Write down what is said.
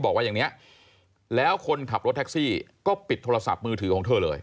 และคนขับรถทักซี่ก็ปิดโทรศัพท์มือถือของเธอเลย